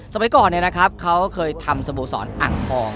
สมัยก่อนเนี่ยนะครับเค้าเคยทำสโบสรอังทอง